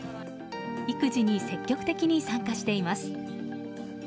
育児に積極的に参加しています。